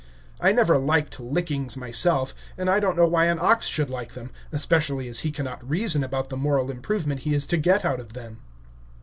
I never liked lickings myself, and I don't know why an ox should like them, especially as he cannot reason about the moral improvement he is to get out of them.